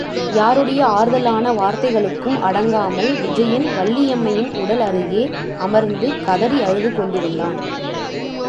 யாருடைய ஆறுதலான வார்த்தைகளுக்கும் அடங்காமல் விஜயன் வள்ளியம்மையின் உடல் அருகே அமர்ந்து கதறி அழுது கொண்டிருந்தான்.